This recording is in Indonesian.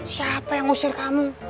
siapa yang usir kamu